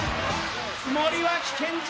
森脇健児